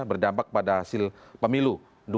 berdampak pada hasil pemilu